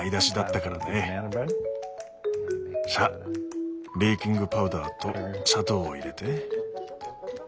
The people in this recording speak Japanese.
さあベーキングパウダーと砂糖を入れて。